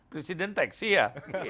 presiden teksi ya